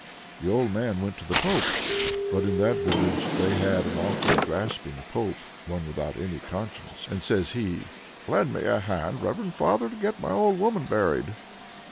The old man went to the pope, (but in that village they had an awfully grasping pope, one without any conscience), and says he: "Lend a hand, reverend father, to get my old woman buried."